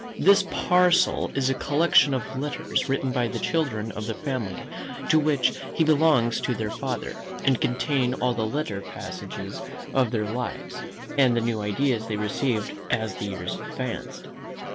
This parcel is a collection of letters written by the children of the family to which he belongs to their father, and contain all the little passages of their lives, and the new ideas they received as the years advanced.